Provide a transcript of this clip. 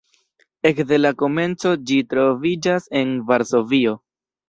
Ekde la komenco ĝi troviĝas en Varsovio.